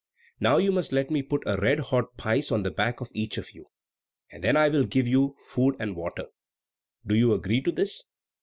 "Now you must let me put a red hot pice on the back of each of you, and then I will give you food and water. Do you agree to this?"